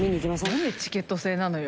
何でチケット制なのよ。